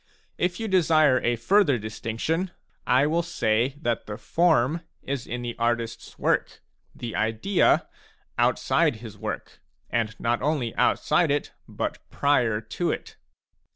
If you desire a further distinction, I will say that the " form " is in the artist's work, the "idea" outside his work, and not only outside it, y. but prior to it.